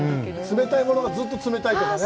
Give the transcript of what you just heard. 冷たいものがずうっと冷たいとかね。